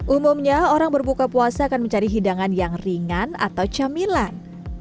umumnya orang berbuka puasa akan mencari hidangan yang ringan atau camilan